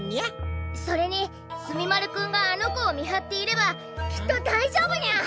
それに墨丸君があの子を見張っていればきっとだいじょうぶニャ！